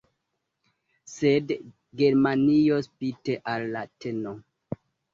Sed Germanio spite al la tn.